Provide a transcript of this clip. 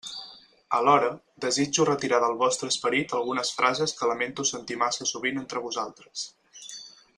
Alhora, desitjo retirar del vostre esperit algunes frases que lamento sentir massa sovint entre vosaltres.